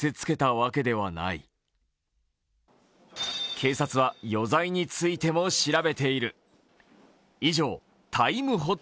警察は、余罪についても調べている。